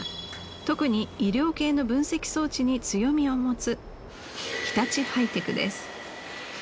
特に医療系の分析装置に強みを持つ日立ハイテクです。